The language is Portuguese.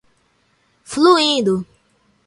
fluindo